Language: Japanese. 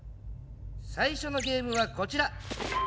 最初のゲームはこちら！